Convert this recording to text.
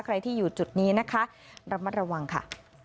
ใครที่อยู่จุดนี้นะคะระมัดระวังค่ะ